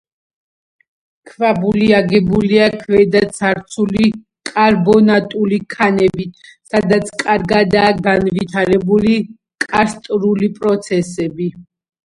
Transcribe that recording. ქვაბული აგებულია ქვედაცარცული კარბონატული ქანებით, სადაც კარგადაა განვითარებული კარსტული პროცესები.